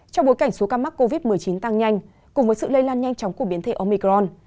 trong bối cảnh số ca mắc covid một mươi chín tăng nhanh cùng với sự lây lan nhanh chóng của biến thể omicron